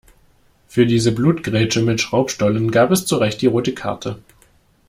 Für diese Blutgrätsche mit Schraubstollen gab es zurecht die rote Karte.